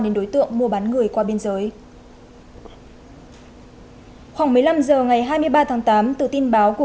đến đối tượng mua bán người qua biên giới khoảng một mươi năm h ngày hai mươi ba tháng tám từ tin báo của